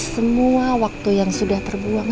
semua waktu yang sudah terbuang